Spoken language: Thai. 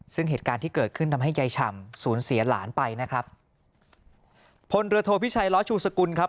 ซึ่งเหตุการณ์ที่เกิดขึ้นทำให้ยายฉ่ำสูญเสียหลานไปนะครับพลเรือโทพิชัยล้อชูสกุลครับ